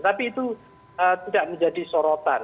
tapi itu tidak menjadi sorotan